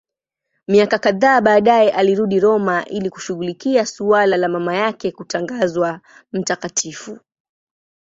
Miaka kadhaa baadaye alirudi Roma ili kushughulikia suala la mama yake kutangazwa mtakatifu.